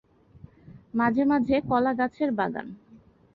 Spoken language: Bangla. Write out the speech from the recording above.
মাঝেমাঝে কলাগাছের বাগান।